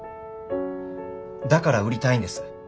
だから売りたいんです。